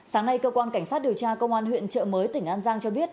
sáng nay cơ quan cảnh sát điều tra công an huyện trợ mới tỉnh an giang cho biết